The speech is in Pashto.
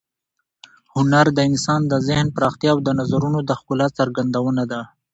هنر د انسان د ذهن پراختیا او د نظرونو د ښکلا څرګندونه ده.